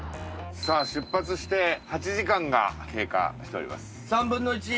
出発して８時間が経過しております。